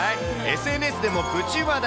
ＳＮＳでもプチ話題。